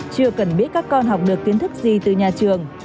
chưa cần biết các con học được kiến thức gì từ nhà trường